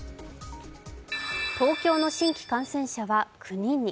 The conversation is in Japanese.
東京の新規感染者は９人に。